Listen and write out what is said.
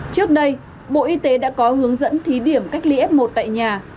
trước đây bộ y tế đã có hướng dẫn thí điểm cách ly f một tại nhà